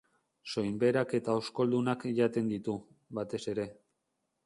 Soinberak eta oskoldunak jaten ditu, batez ere.